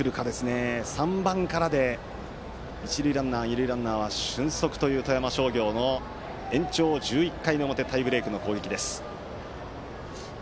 バッターは３番からで一塁ランナー、二塁ランナーは俊足という富山商業の延長１１回の表タイブレークの攻撃です。